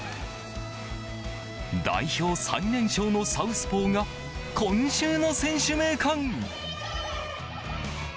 代表最年少のサウスポーが今週の選手名鑑。